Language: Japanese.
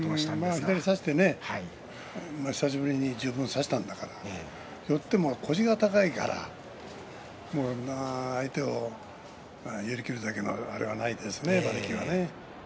左を久しぶりに十分差したんだけれども寄っても腰が高いから相手を寄り切るだけのあれはないですね。